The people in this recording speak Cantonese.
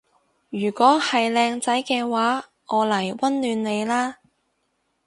如果係靚仔嘅話我嚟溫暖你啦